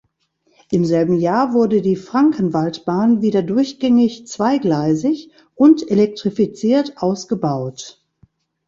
Im selben Jahr wurde die Frankenwaldbahn wieder durchgängig zweigleisig und elektrifiziert ausgebaut.